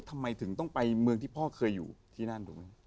ทำไมถึงต้องไปเมืองที่พ่อเคยอยู่ที่นั่นถูกไหม